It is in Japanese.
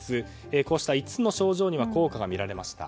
こうした５つの症状には効果が見られました。